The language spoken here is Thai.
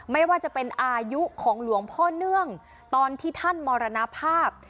ไม่ว่าจะเป็นอายุของหลวงพ่อเนื่องตอนที่ท่านมรณภาพ